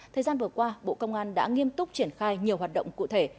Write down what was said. thời gian vừa qua bộ công an đã nghiêm túc triển khai nhiều hoạt động cụ thể